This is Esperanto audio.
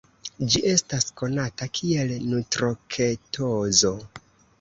Ĝi estas konata kiel nutroketozo.